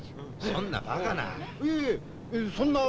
そんなバカな。